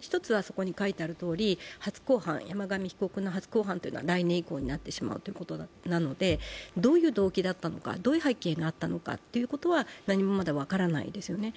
一つは、山上被告の初公判というのは来年以降になってしまうということでどういう動機だったのか、どういう背景があったのかは何もまだ分からないですよね。